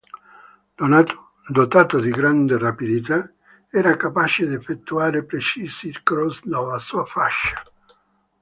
Dotato di grande rapidità, era capace d'effettuare precisi cross dalla sua fascia.